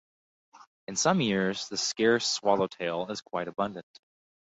In some years the scarce swallowtail is quite abundant.